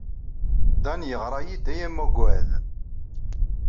Dan yeɣra-iyi-d a amaggad.